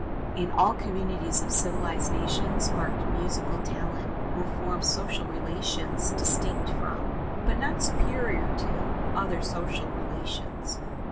In all communities of civilized nations marked musical talent will form social relations distinct from, but not superior to, other social relations.